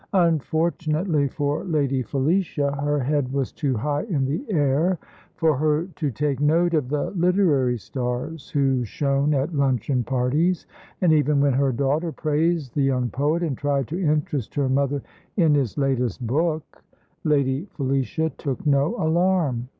Unfortunately for Lady Felicia, her head was too high in the air for her to take note of the literary stars who shone at luncheon parties, and even when her daughter praised the young poet, and tried to interest her mother in his latest book, Lady Felicia took no alarm.